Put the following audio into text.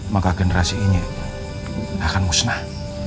maka generasi ini akan musnah